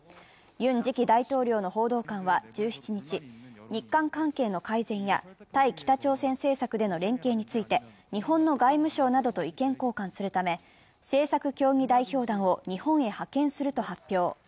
ユン次期大統領の報道官は１７日、日韓関係の改善や対北朝鮮政策での連携について日本の外務省などと意見交換するため、政策協議代表団を日本へ派遣すると発表。